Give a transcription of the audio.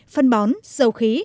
phân bón dầu khí